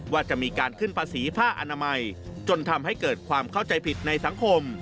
ว่าจะมีการขึ้นภาษีผ้าอนามัยจนทำให้เกิดความเข้าใจผิดในสังคม